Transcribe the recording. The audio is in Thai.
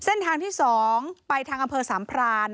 เส้นทางที่๒ไปทางอำเภอสามพราน